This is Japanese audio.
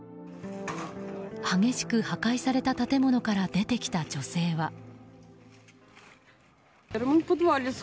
激しく破壊された建物から出てきた女性は。